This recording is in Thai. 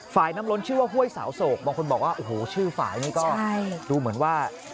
ฝ่ายน้ำล้นชื่อว่าห้วยสาวโศกบางคนบอกว่าโอ้โหชื่อฝ่ายนี้ก็ดูเหมือนว่า